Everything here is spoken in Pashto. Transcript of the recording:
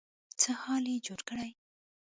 څه حال يې جوړ کړی.